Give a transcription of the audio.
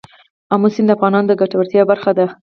آمو سیند د افغانانو د ګټورتیا یوه برخه ده.